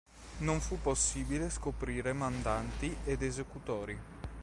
Non fu possibile scoprire mandanti ed esecutori.